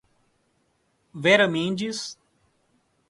Vera Mendes